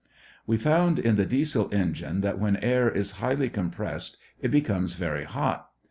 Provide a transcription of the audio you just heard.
We found in the Diesel engine that when air is highly compressed it becomes very hot.